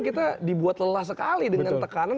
kita dibuat lelah sekali dengan tekanan